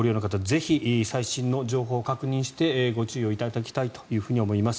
ぜひ、最新の情報を確認してご注意をいただきたいと思います。